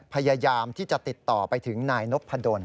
พยายามที่จะติดต่อไปถึงนายนพดล